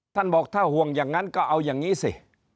บอกถ้าห่วงอย่างนั้นก็เอาอย่างนี้สิ